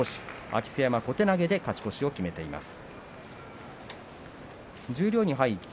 明瀬山、小手投げで勝ち越しを決めています。